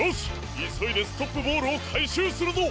いそいでストップボールをかいしゅうするぞ！